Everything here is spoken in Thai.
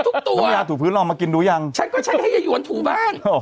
ทุกโบยาหถูบพื้นลอมากินดูยังฉันก็ใช้เฮียโหยวนถูบ้านอ๋อ